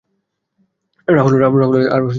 রাহুল আর আঞ্জলির ঝগড়া।